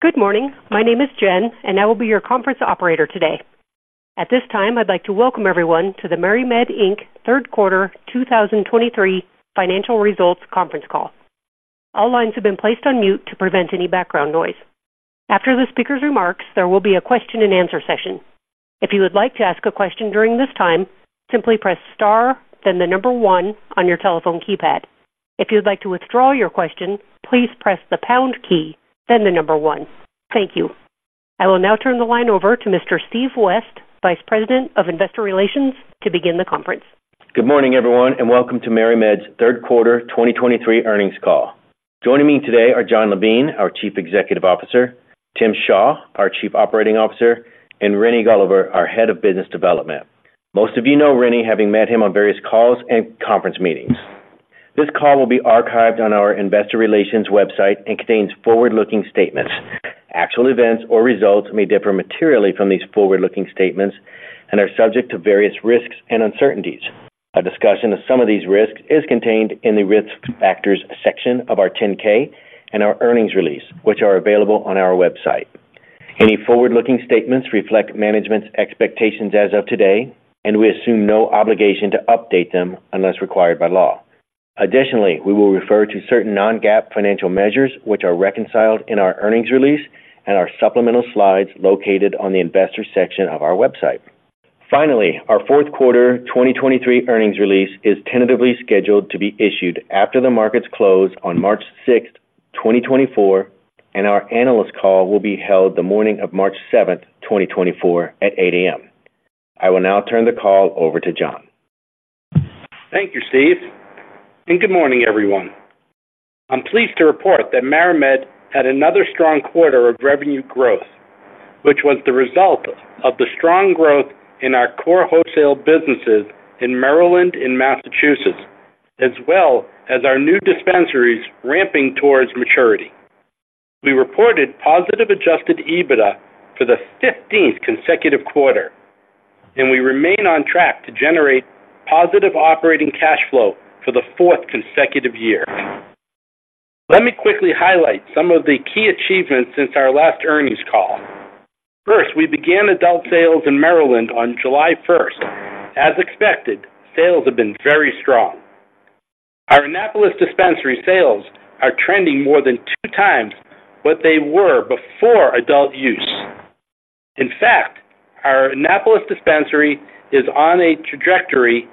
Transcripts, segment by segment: Good morning. My name is Jen, and I will be your conference operator today. At this time, I'd like to welcome everyone to the MariMed Inc. Third Quarter 2023 financial results conference call. All lines have been placed on mute to prevent any background noise. After the speaker's remarks, there will be a question-and-answer session. If you would like to ask a question during this time, simply press Star, then the number one on your telephone keypad. If you'd like to withdraw your question, please press the pound key, then the number one. Thank you. I will now turn the line over to Mr. Steve West, Vice President of Investor Relations, to begin the conference. Good morning, everyone, and welcome to MariMed's third quarter 2023 earnings call. Joining me today are Jon Levine, our Chief Executive Officer, Tim Shaw, our Chief Operating Officer, and Ryan Crandall, our Head of Business Development. Most of you know Ryan, having met him on various calls and conference meetings. This call will be archived on our investor relations website and contains forward-looking statements. Actual events or results may differ materially from these forward-looking statements and are subject to various risks and uncertainties. A discussion of some of these risks is contained in the Risk Factors section of our 10-K and our earnings release, which are available on our website. Any forward-looking statements reflect management's expectations as of today, and we assume no obligation to update them unless required by law. Additionally, we will refer to certain non-GAAP financial measures, which are reconciled in our earnings release and our supplemental slides located on the investor section of our website. Finally, our fourth quarter 2023 earnings release is tentatively scheduled to be issued after the markets close on March 6, 2024, and our analyst call will be held the morning of March 7, 2024, at 8:00 A.M. I will now turn the call over to Jon. Thank you, Steve, and good morning, everyone. I'm pleased to report that MariMed had another strong quarter of revenue growth, which was the result of the strong growth in our core wholesale businesses in Maryland and Massachusetts, as well as our new dispensaries ramping towards maturity. We reported positive Adjusted EBITDA for the 15th consecutive quarter, and we remain on track to generate positive operating cash flow for the 4th consecutive year. Let me quickly highlight some of the key achievements since our last earnings call. First, we began adult sales in Maryland on July first. As expected, sales have been very strong. Our Annapolis dispensary sales are trending more than 2 times what they were before adult use. In fact, our Annapolis dispensary is on a trajectory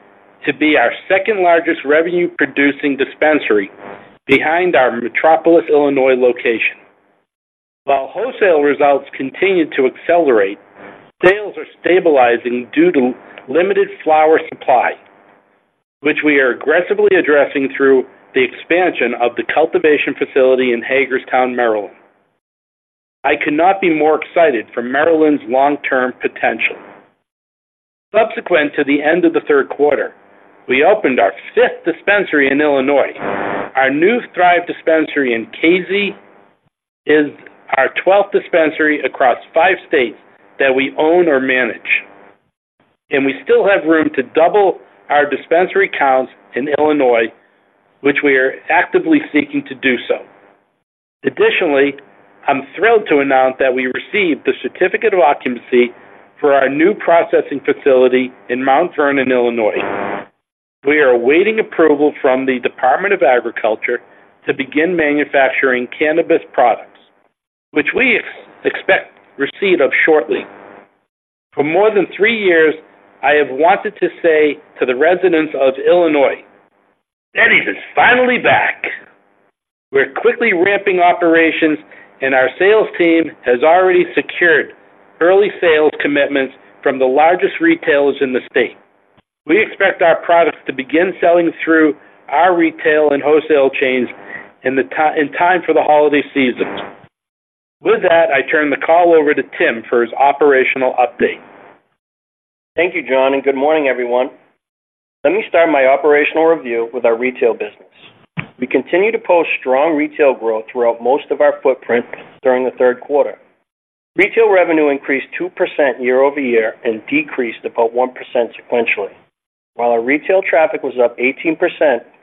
to be our second-largest revenue-producing dispensary behind our Metropolis, Illinois, location. While wholesale results continue to accelerate, sales are stabilizing due to limited flower supply, which we are aggressively addressing through the expansion of the cultivation facility in Hagerstown, Maryland. I could not be more excited for Maryland's long-term potential. Subsequent to the end of the third quarter, we opened our fifth dispensary in Illinois. Our new Thrive dispensary in Casey is our twelfth dispensary across five states that we own or manage, and we still have room to double our dispensary counts in Illinois, which we are actively seeking to do so. Additionally, I'm thrilled to announce that we received the certificate of occupancy for our new processing facility in Mount Vernon, Illinois. We are awaiting approval from the Department of Agriculture to begin manufacturing cannabis products, which we expect receipt of shortly. For more than three years, I have wanted to say to the residents of Illinois, Betty is finally back! We're quickly ramping operations, and our sales team has already secured early sales commitments from the largest retailers in the state. We expect our products to begin selling through our retail and wholesale chains in time for the holiday season. With that, I turn the call over to Tim for his operational update. Thank you, Jon, and good morning, everyone. Let me start my operational review with our retail business. We continue to post strong retail growth throughout most of our footprint during the third quarter. Retail revenue increased 2% year-over-year and decreased about 1% sequentially. While our retail traffic was up 18%,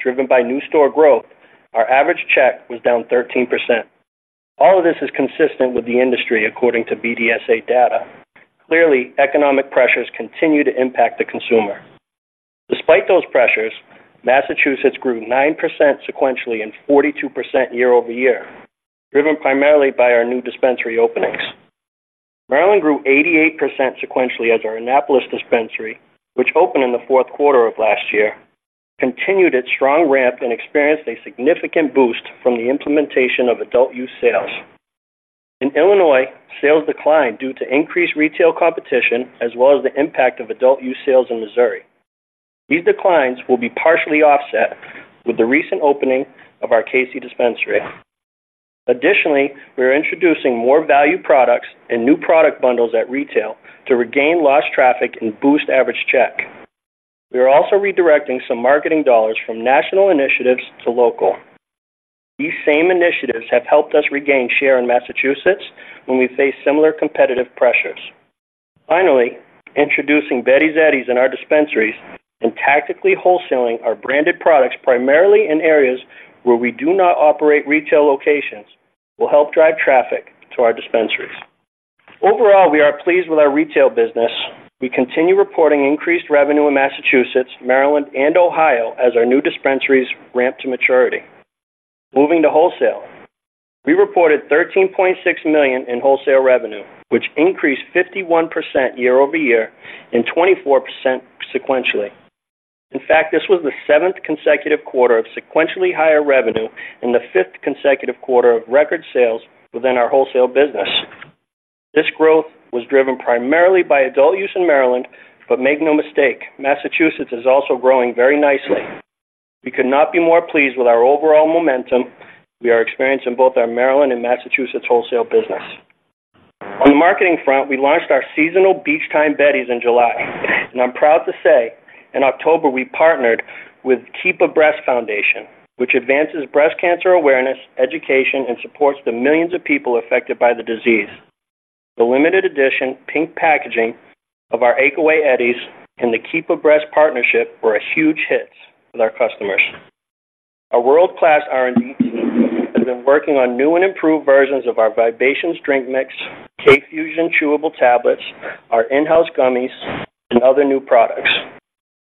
driven by new store growth, our average check was down 13%. All of this is consistent with the industry, according to BDSA data. Clearly, economic pressures continue to impact the consumer. Despite those pressures, Massachusetts grew 9% sequentially and 42% year-over-year, driven primarily by our new dispensary openings. Maryland grew 88% sequentially as our Annapolis dispensary, which opened in the fourth quarter of last year, continued its strong ramp and experienced a significant boost from the implementation of adult-use sales. In Illinois, sales declined due to increased retail competition as well as the impact of adult-use sales in Missouri. These declines will be partially offset with the recent opening of our Casey dispensary. Additionally, we are introducing more value products and new product bundles at retail to regain lost traffic and boost average check. We are also redirecting some marketing dollars from national initiatives to local. These same initiatives have helped us regain share in Massachusetts when we face similar competitive pressures. Finally, introducing Betty's Eddies in our dispensaries and tactically wholesaling our branded products, primarily in areas where we do not operate retail locations, will help drive traffic to our dispensaries. Overall, we are pleased with our retail business. We continue reporting increased revenue in Massachusetts, Maryland, and Ohio as our new dispensaries ramp to maturity. Moving to wholesale. We reported $13.6 million in wholesale revenue, which increased 51% year-over-year and 24% sequentially. In fact, this was the 7th consecutive quarter of sequentially higher revenue and the 5th consecutive quarter of record sales within our wholesale business. This growth was driven primarily by adult use in Maryland. But make no mistake, Massachusetts is also growing very nicely. We could not be more pleased with our overall momentum. We are experiencing both our Maryland and Massachusetts wholesale business. On the marketing front, we launched our seasonal Beachtime Betty's in July, and I'm proud to say in October, we partnered with Keep A Breast Foundation, which advances breast cancer awareness, education, and supports the millions of people affected by the disease. The limited edition pink packaging of our Ache Away Eddies and the Keep a Breast partnership were a huge hit with our customers. Our world-class R&D team has been working on new and improved versions of our Vibations drink mix, K-Fusion chewable tablets, our InHouse gummies, and other new products.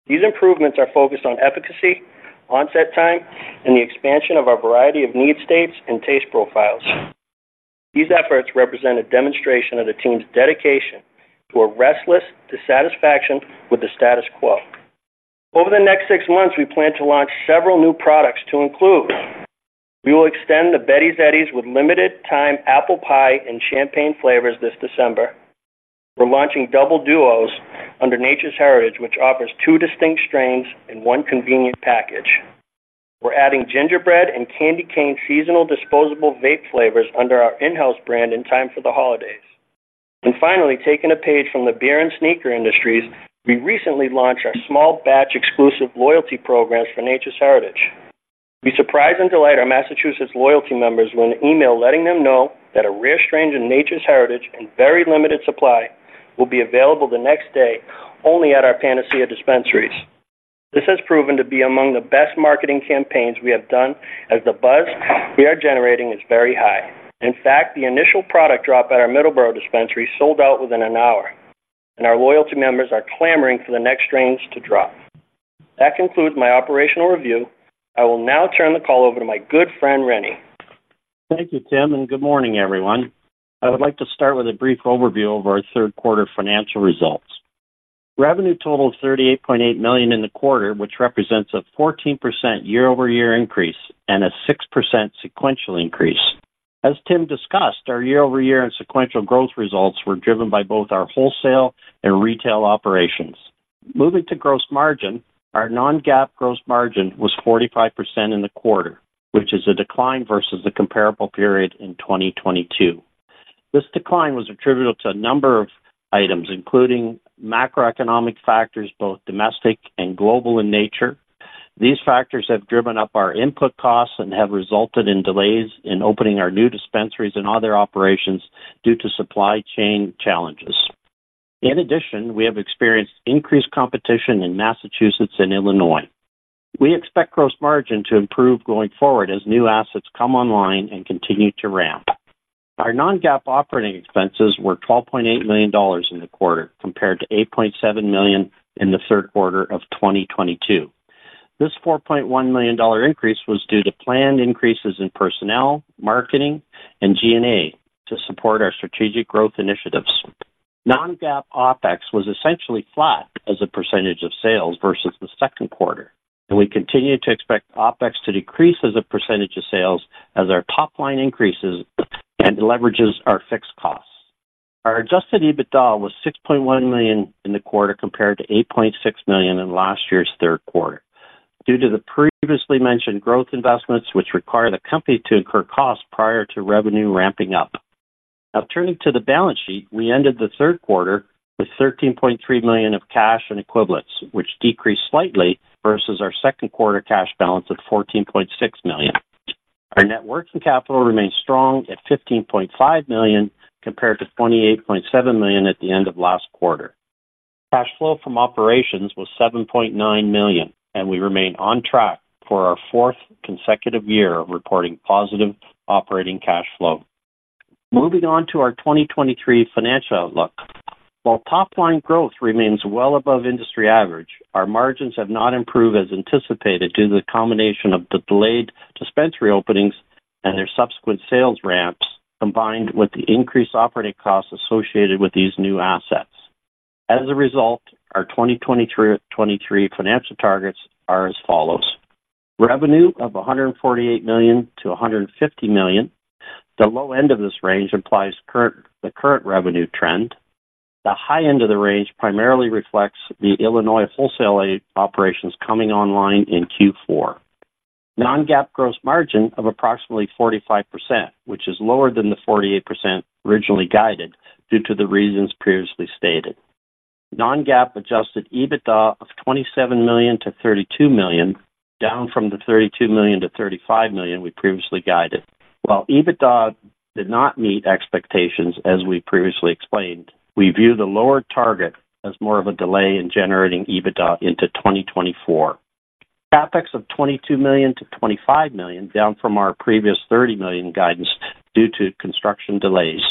These improvements are focused on efficacy, onset time, and the expansion of our variety of need states and taste profiles. These efforts represent a demonstration of the team's dedication to a restless dissatisfaction with the status quo. Over the next six months, we plan to launch several new products to include: We will extend the Betty's Eddies with limited time apple pie and champagne flavors this December. We're launching Double Duos under Nature's Heritage, which offers two distinct strains in one convenient package. We're adding gingerbread and candy cane seasonal disposable vape flavors under our InHouse brand in time for the holidays. Finally, taking a page from the beer and sneaker industries, we recently launched our small batch exclusive loyalty programs for Nature's Heritage. We surprise and delight our Massachusetts loyalty members with an email letting them know that a rare strain in Nature's Heritage in very limited supply will be available the next day only at our Panacea dispensaries. This has proven to be among the best marketing campaigns we have done, as the buzz we are generating is very high. In fact, the initial product drop at our Middleborough dispensary sold out within an hour, and our loyalty members are clamoring for the next strains to drop. That concludes my operational review. I will now turn the call over to my good friend, Ryan. Thank you, Tim, and good morning, everyone. I would like to start with a brief overview of our third quarter financial results. Revenue totaled $38.8 million in the quarter, which represents a 14% year-over-year increase and a 6% sequential increase. As Tim discussed, our year-over-year and sequential growth results were driven by both our wholesale and retail operations. Moving to gross margin. Our non-GAAP gross margin was 45% in the quarter, which is a decline versus the comparable period in 2022. This decline was attributable to a number of items, including macroeconomic factors, both domestic and global in nature. These factors have driven up our input costs and have resulted in delays in opening our new dispensaries and other operations due to supply chain challenges. In addition, we have experienced increased competition in Massachusetts and Illinois. We expect gross margin to improve going forward as new assets come online and continue to ramp. Our Non-GAAP operating expenses were $12.8 million in the quarter, compared to $8.7 million in the third quarter of 2022. This $4.1 million increase was due to planned increases in personnel, marketing, and G&A to support our strategic growth initiatives. Non-GAAP OpEx was essentially flat as a percentage of sales versus the second quarter, and we continue to expect OpEx to decrease as a percentage of sales as our top line increases and leverages our fixed costs. Our adjusted EBITDA was $6.1 million in the quarter, compared to $8.6 million in last year's third quarter, due to the previously mentioned growth investments, which require the company to incur costs prior to revenue ramping up. Now, turning to the balance sheet. We ended the third quarter with $13.3 million of cash and equivalents, which decreased slightly versus our second quarter cash balance of $14.6 million. Our net working capital remains strong at $15.5 million, compared to $28.7 million at the end of last quarter. Cash flow from operations was $7.9 million, and we remain on track for our fourth consecutive year of reporting positive operating cash flow. Moving on to our 2023 financial outlook. While top line growth remains well above industry average, our margins have not improved as anticipated due to the combination of the delayed dispensary openings and their subsequent sales ramps, combined with the increased operating costs associated with these new assets. As a result, our 2023 financial targets are as follows: Revenue of $148 million-$150 million. The low end of this range implies the current revenue trend. The high end of the range primarily reflects the Illinois wholesale operations coming online in Q4. Non-GAAP gross margin of approximately 45%, which is lower than the 48% originally guided, due to the reasons previously stated. Non-GAAP adjusted EBITDA of $27 million-$32 million, down from the $32 million-$35 million we previously guided. While EBITDA did not meet expectations, as we previously explained, we view the lower target as more of a delay in generating EBITDA into 2024. CapEx of $22 million-$25 million, down from our previous $30 million guidance due to construction delays.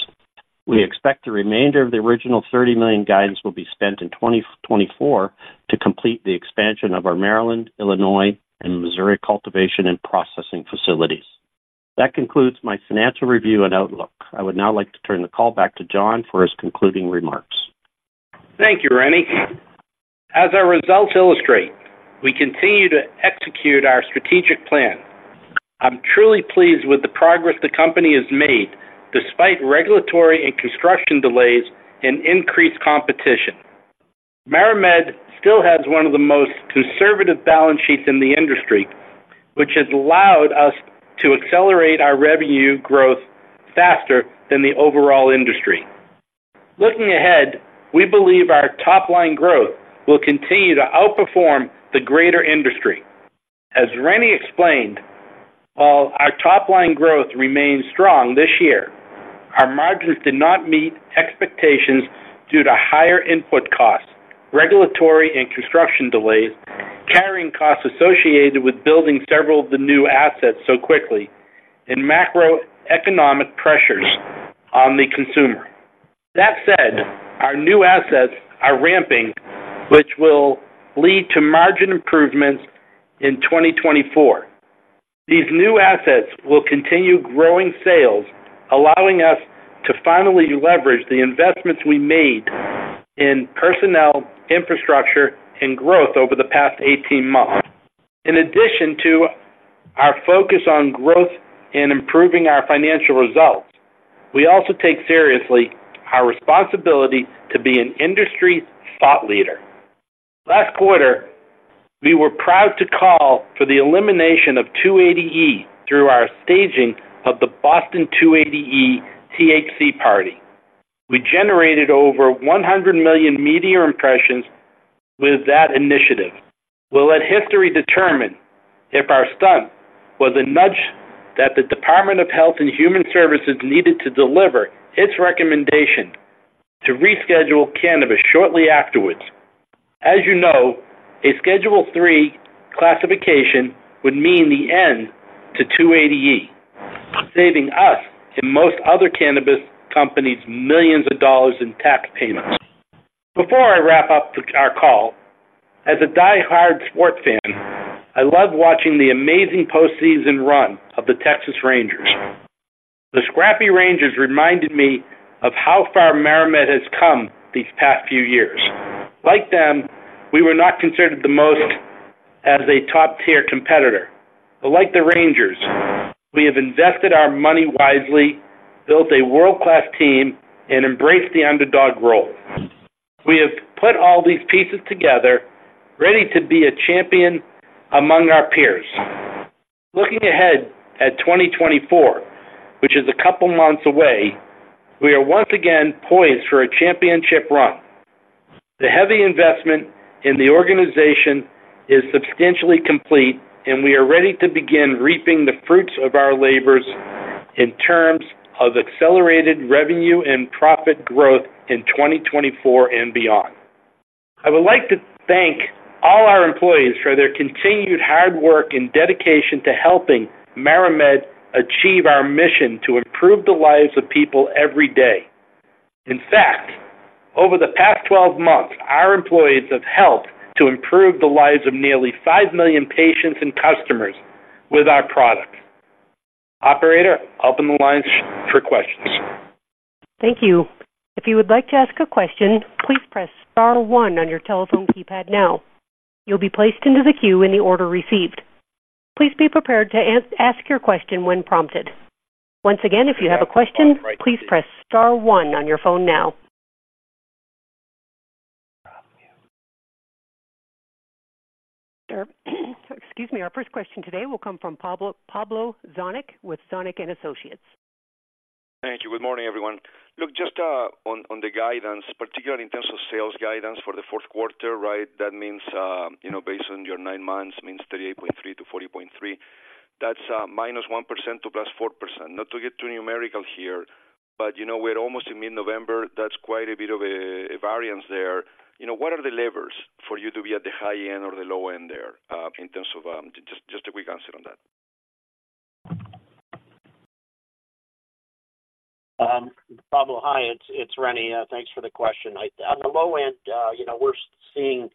We expect the remainder of the original $30 million guidance will be spent in 2024 to complete the expansion of our Maryland, Illinois and Missouri cultivation and processing facilities. That concludes my financial review and outlook. I would now like to turn the call back to Jon for his concluding remarks. Thank you, Ryan. As our results illustrate, we continue to execute our strategic plan. I'm truly pleased with the progress the company has made despite regulatory and construction delays and increased competition. MariMed still has one of the most conservative balance sheets in the industry, which has allowed us to accelerate our revenue growth faster than the overall industry. Looking ahead, we believe our top line growth will continue to outperform the greater industry. As Ryan explained, while our top line growth remains strong this year, our margins did not meet expectations due to higher input costs, regulatory and construction delays, carrying costs associated with building several of the new assets so quickly, and macroeconomic pressures on the consumer. That said, our new assets are ramping, which will lead to margin improvements in 2024. These new assets will continue growing sales, allowing us to finally leverage the investments we made in personnel, infrastructure, and growth over the past 18 months. In addition to our focus on growth and improving our financial results, we also take seriously our responsibility to be an industry thought leader. Last quarter, we were proud to call for the elimination of 280E through our staging of the Boston 280E THC Party. We generated over 100 million media impressions with that initiative. We'll let history determine if our stunt was a nudge that the Department of Health and Human Services needed to deliver its recommendation to reschedule cannabis shortly afterwards. As you know, a Schedule III classification would mean the end to 280E, saving us and most other cannabis companies $ millions in tax payments. Before I wrap up our call, as a die-hard sports fan, I love watching the amazing postseason run of the Texas Rangers. The scrappy Rangers reminded me of how far MariMed has come these past few years. Like them, we were not considered the most as a top-tier competitor. But like the Rangers, we have invested our money wisely, built a world-class team, and embraced the underdog role. We have put all these pieces together, ready to be a champion among our peers. Looking ahead at 2024, which is a couple months away, we are once again poised for a championship run. The heavy investment in the organization is substantially complete, and we are ready to begin reaping the fruits of our labors in terms of accelerated revenue and profit growth in 2024 and beyond. I would like to thank all our employees for their continued hard work and dedication to helping MariMed achieve our mission to improve the lives of people every day. In fact, over the past twelve months, our employees have helped to improve the lives of nearly 5 million patients and customers with our products. Operator, open the lines for questions. Thank you. If you would like to ask a question, please press star one on your telephone keypad now. You'll be placed into the queue in the order received. Please be prepared to ask your question when prompted. Once again, if you have a question, please press star one on your phone now. Excuse me. Our first question today will come from Pablo Zuanic, Pablo Zuanic with Zuanic and Associates. Thank you. Good morning, everyone. Look, just on the guidance, particularly in terms of sales guidance for the fourth quarter, right? That means, you know, based on your nine months, means 38.3-40.3. That's minus one percent to plus four percent. Not to get too numerical here, but you know, we're almost in mid-November. That's quite a bit of a variance there. What are the levers for you to be at the high end or the low end there, in terms of just a quick answer on that? Pablo, hi, it's, it's Ryan. Thanks for the question. On the low end, you know, we're seeing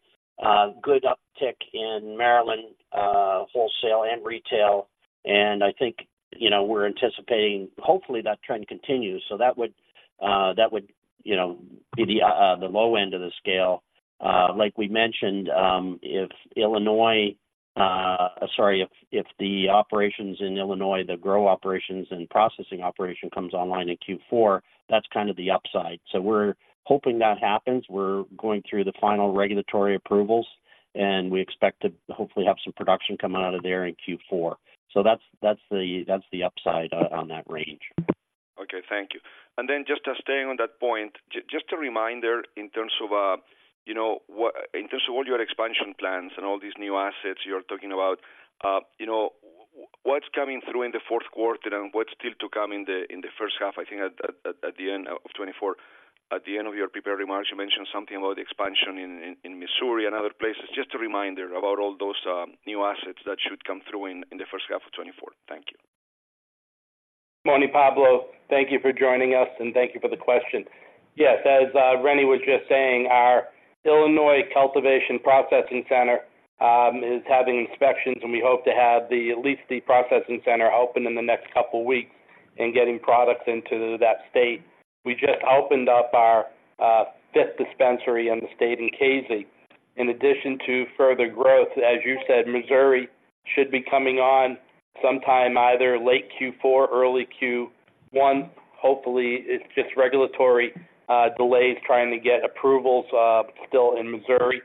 good uptick in Maryland, wholesale and retail, and I think, we're anticipating, hopefully, that trend continues. That would, that would, you know, be the, the low end of the scale. Like we mentioned, if Illinois, sorry, if, if the operations in Illinois, the grow operations and processing operation comes online in Q4, that's kind of the upside. We're hoping that happens. We're going through the final regulatory approvals, and we expect to hopefully have some production coming out of there in Q4. So that's, that's the, that's the upside, on that range. Okay, thank you. Then just staying on that point, just a reminder in terms of, you know, what - in terms of all your expansion plans and all these new assets you're talking about, you know, what's coming through in the fourth quarter and what's still to come in the first half? I think at the end of 2024. At the end of your prepared remarks, you mentioned something about expansion in Missouri and other places. Just a reminder about all those new assets that should come through in the first half of 2024. Thank you. Morning, Pablo. Thank you for joining us, and thank you for the question. Yes, as Ryan was just saying, our Illinois cultivation processing center is having inspections, and we hope to have the, at least the processing center, open in the next couple of weeks and getting products into that state. We just opened up our fifth dispensary in the state in Casey. In addition to further growth, as you said, Missouri should be coming on sometime either late Q4, early Q1. Hopefully, it's just regulatory delays trying to get approvals still in Missouri.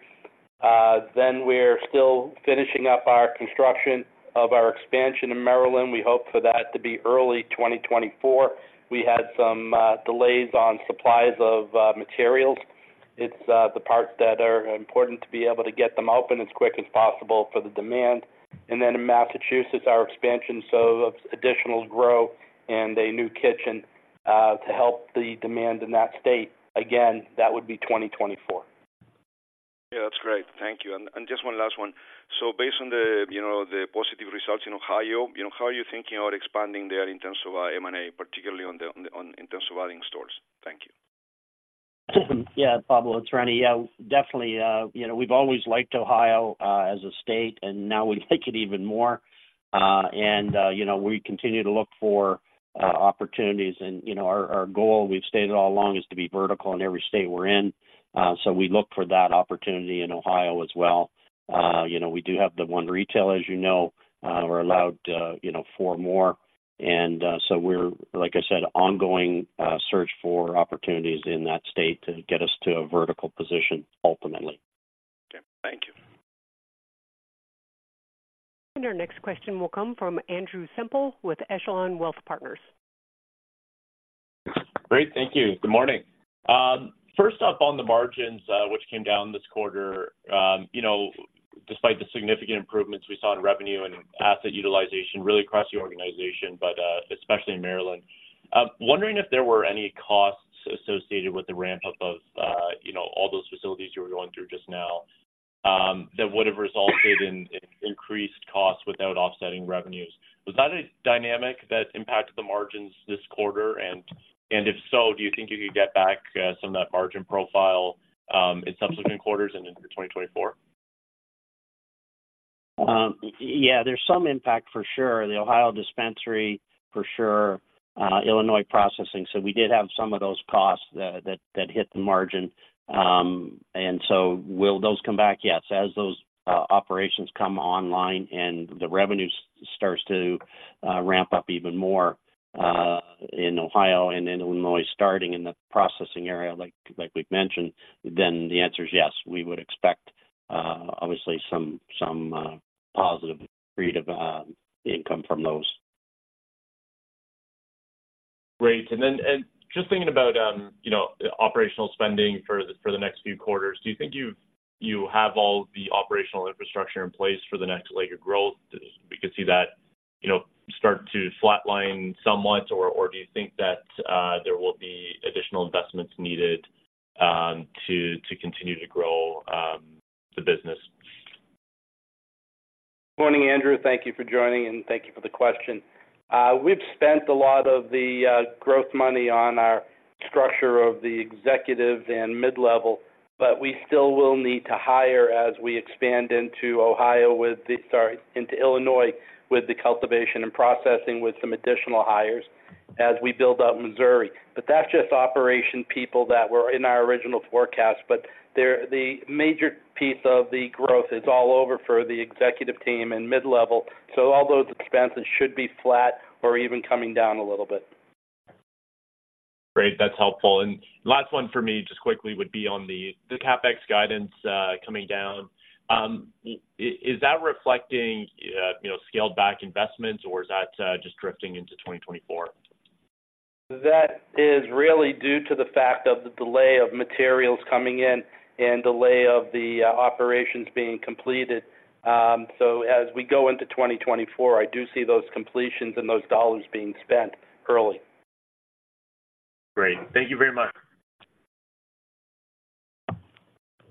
Then we're still finishing up our construction of our expansion in Maryland. We hope for that to be early 2024. We had some delays on supplies of materials. It's the parts that are important to be able to get them open as quick as possible for the demand. In Massachusetts, our expansion, so of additional grow and a new kitchen to help the demand in that state. Again, that would be 2024. Yeah, that's great. Thank you. And just one last one. Based on the, you know, the positive results in Ohio, you know, how are you thinking about expanding there in terms of M&A, particularly on the, on, in terms of adding stores? Thank you. Yeah, Pablo, it's Ryan. Yeah, definitely, you know, we've always liked Ohio as a state, and now we like it even more. We continue to look for opportunities and, you know, our goal, we've stated all along, is to be vertical in every state we're in. We look for that opportunity in Ohio as well. We do have the one retail, as you know. We're allowed, you know, four more, and, we're, like I said, ongoing search for opportunities in that state to get us to a vertical position ultimately. Okay, thank you. Our next question will come from Andrew Semple with Echelon Wealth Partners. Great. Thank you. Good morning. First up on the margins, which came down this quarter, you know, despite the significant improvements we saw in revenue and asset utilization, really across the organization, but, especially in Maryland. Wondering if there were any costs associated with the ramp-up of, you know, all those facilities you were going through just now, that would have resulted in increased costs without offsetting revenues. Was that a dynamic that impacted the margins this quarter, and if so, do you think you could get back, some of that margin profile, in subsequent quarters and into 2024? There's some impact for sure. The Ohio dispensary, for sure, Illinois processing. We did have some of those costs that hit the margin, and so will those come back? Yes. As those operations come online and the revenue starts to ramp up even more in Ohio and in Illinois, starting in the processing area, like we've mentioned, then the answer is yes, we would expect obviously some positive creative income from those. Great. Then just thinking about, you know, operational spending for the next few quarters, do you think you have all the operational infrastructure in place for the next leg of growth? We could see that, you know, start to flatline somewhat, or do you think that there will be additional investments needed to continue to grow the business? Morning, Andrew. Thank you for joining, and thank you for the question. We've spent a lot of the growth money on our structure of the executive and mid-level, but we still will need to hire as we expand into Ohio with the, sorry, into Illinois, with the cultivation and processing, with some additional hires as we build out Missouri. That's just operation people that were in our original forecast, but they're, the major piece of the growth is all over for the executive team and mid-level. All those expenses should be flat or even coming down a little bit. Great. That's helpful. And last one for me, just quickly, would be on the CapEx guidance coming down. Is that reflecting, you know, scaled-back investments, or is that just drifting into 2024? That is really due to the fact of the delay of materials coming in and delay of the operations being completed. As we go into 2024, I do see those completions and those dollars being spent early. Great. Thank you very much.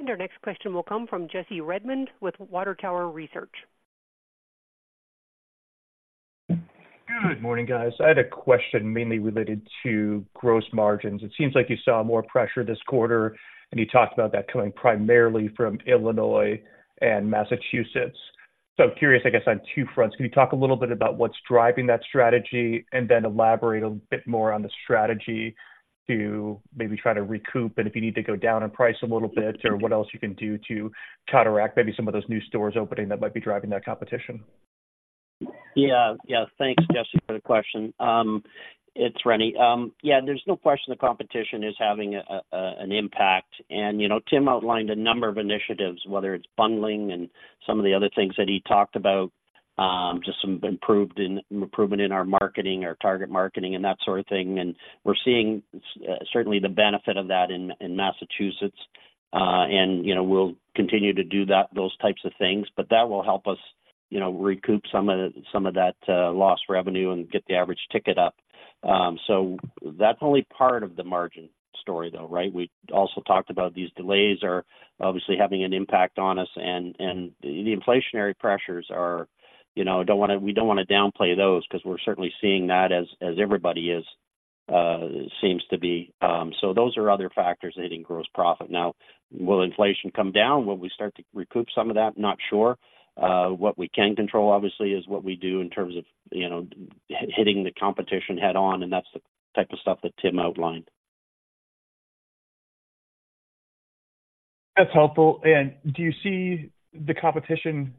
Our next question will come from Jesse Redmond with Water Tower Research. Good morning, guys. I had a question mainly related to gross margins. It seems like you saw more pressure this quarter, and you talked about that coming primarily from Illinois and Massachusetts. So curious, I guess, on two fronts, can you talk a little bit about what's driving that strategy? And then elaborate a bit more on the strategy to maybe try to recoup, and if you need to go down on price a little bit, or what else you can do to counteract maybe some of those new stores opening that might be driving that competition? Yeah. Yeah. Thanks, Jesse, for the question. It's Ryan. There's no question the competition is having an impact. Tim outlined a number of initiatives, whether it's bundling and some of the other things that he talked about. Just some improvement in our marketing, our target marketing and that sort of thing. We're seeing certainly the benefit of that in Massachusetts, and we'll continue to do those types of things, but that will help us, you know, recoup some of that lost revenue and get the average ticket up. That's only part of the margin story, though, right? We also talked about these delays are obviously having an impact on us, and the inflationary pressures are, you know, don't wanna, we don't wanna downplay those 'cause we're certainly seeing that as everybody is, seems to be. Those are other factors hitting gross profit. Now, will inflation come down? Will we start to recoup some of that? Not sure. What we can control, obviously, is what we do in terms of, you know, hitting the competition head-on, and that's the type of stuff that Tim outlined. That's helpful. And do you see the competition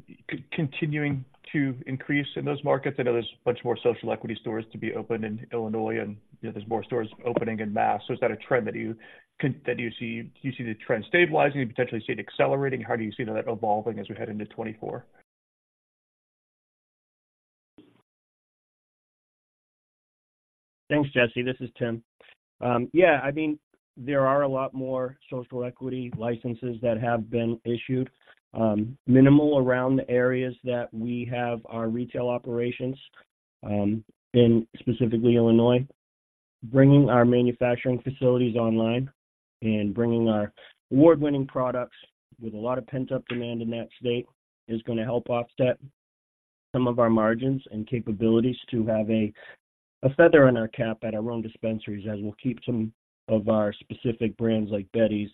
continuing to increase in those markets? I know there's a bunch more social equity stores to be opened in Illinois, and, you know, there's more stores opening in Mass. So is that a trend that you see? Do you see the trend stabilizing? Do you potentially see it accelerating? How do you see that evolving as we head into 2024? Thanks, Jesse. This is Tim. Yeah, There are a lot more social equity licenses that have been issued. Minimal around the areas that we have our retail operations, in specifically Illinois. Bringing our manufacturing facilities online and bringing our award-winning products with a lot of pent-up demand in that state, is gonna help offset some of our margins and capabilities to have a, a feather in our cap at our own dispensaries, as we'll keep some of our specific brands, like Betty's,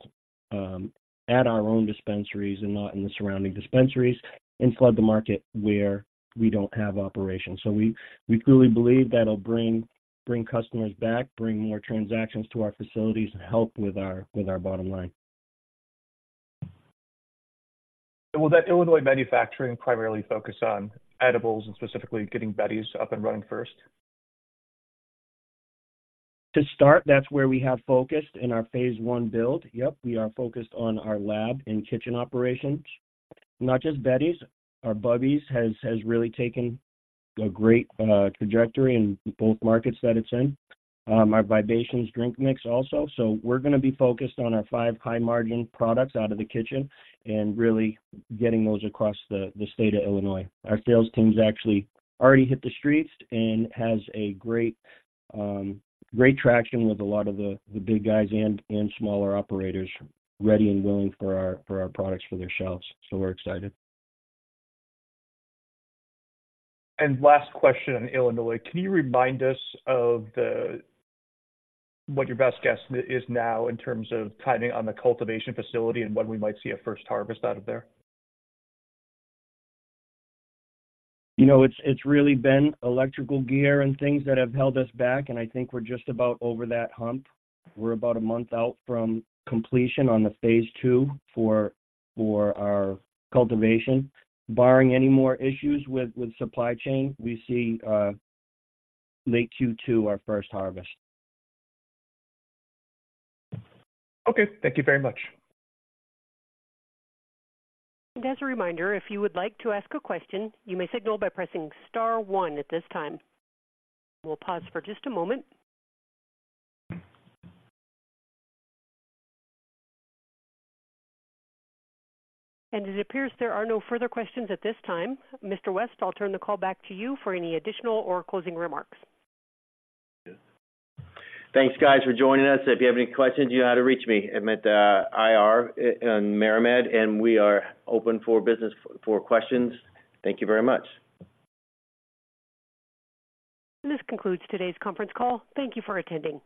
at our own dispensaries and not in the surrounding dispensaries, and flood the market where we don't have operations. We truly believe that'll bring, bring customers back, bring more transactions to our facilities, and help with our, with our bottom line. Will that Illinois manufacturing primarily focus on edibles and specifically getting Betty's up and running first? To start, that's where we have focused in our phase one build. Yep, we are focused on our lab and kitchen operations. Not just Betty's, our Bubby's has really taken a great trajectory in both markets that it's in. Our Vibations drink mix also. We're gonna be focused on our five high-margin products out of the kitchen and really getting those across the state of Illinois. Our sales teams actually already hit the streets and has a great traction with a lot of the big guys and smaller operators ready and willing for our products for their shelves. So we're excited. Last question on Illinois: Can you remind us of the, what your best guess is now in terms of timing on the cultivation facility and when we might see a first harvest out of there? It's really been electrical gear and things that have held us back, and I think we're just about over that hump. We're about a month out from completion on the phase two for our cultivation. Barring any more issues with supply chain, we see late Q2, our first harvest. Okay. Thank you very much. And as a reminder, if you would like to ask a question, you may signal by pressing star one at this time. We'll pause for just a moment. And it appears there are no further questions at this time. Mr. West, I'll turn the call back to you for any additional or closing remarks. Thanks, guys, for joining us. If you have any questions, you know how to reach me. I'm at IR in MariMed, and we are open for business for questions. Thank you very much. This concludes today's conference call. Thank you for attending.